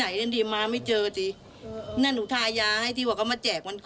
อยากให้อะไรเพิ่มมั้ยคะ